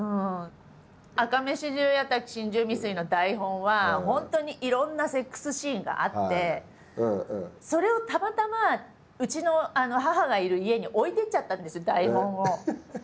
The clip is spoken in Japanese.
「赤目四十八瀧心中未遂」の台本は本当にいろんなセックスシーンがあってそれをたまたまうちの母がいる家に置いていっちゃったんです台本を。